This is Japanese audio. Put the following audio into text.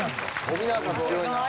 富永さん強いな。